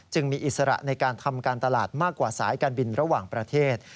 มีอิสระในการทำการตลาดมากกว่าสายการบินระหว่างประเทศ